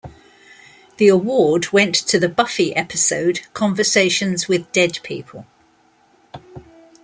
The award went to the "Buffy" episode "Conversations with Dead People".